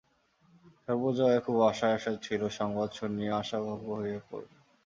সর্বজয়া খুব আশায় আশায় ছিল, সংবাদ শুনিয়া আশাভঙ্গ হইয়া পড়িল।